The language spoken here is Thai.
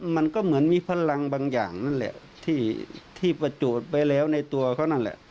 มันก็เหมือนมีพลังบางอย่างนั่นแหละที่ประจูดไว้แล้วในตัวเขานั่นแหละ